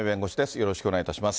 よろしくお願いします。